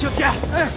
うん。